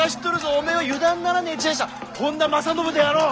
おめえは油断ならねえ知恵者本多正信であろう！